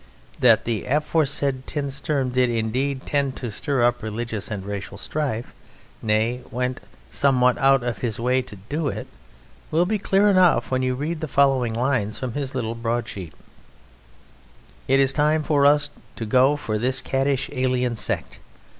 That the aforesaid Tindersturm did indeed tend to "stir up religious and racial strife," nay, went somewhat out of his way to do it, will be clear enough when you read the following lines from his little broadsheet: "It is time for us to go for this caddish alien sect.